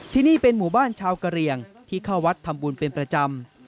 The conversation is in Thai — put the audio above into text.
ที่นี่เป็นหมู่บ้านชาวกะเหลี่ยงที่เข้าวัดทำบุญเป็นประจำ